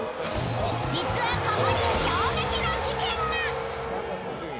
実はここに衝撃の事件が。